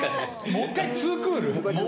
もう１回２クール。